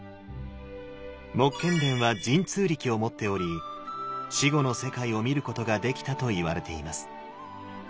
目連は神通力を持っており死後の世界を見ることができたといわれています。